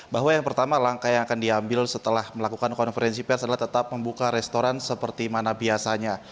bahwa yang pertama langkah yang akan diambil setelah melakukan konferensi pers adalah tetap membuka restoran seperti mana biasanya